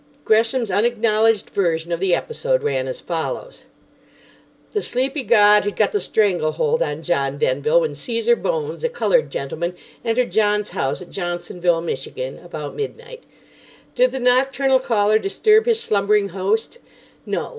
Gresham's unacknowledged version of the episode ran as follows: "The sleepy god had got the stranglehold on John Denville when Caesar Bones, a coloured gentleman, entered John's house at Johnsonville (Mich.) about midnight. Did the nocturnal caller disturb his slumbering host? No.